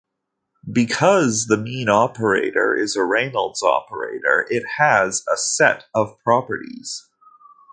Because the mean operator is a Reynolds operator, it has a set of properties.